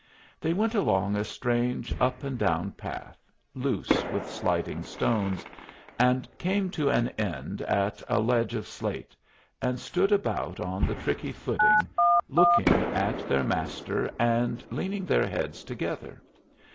They went along a strange up and down path, loose with sliding stones, and came to an end at a ledge of slate, and stood about on the tricky footing looking at their master and leaning their heads together.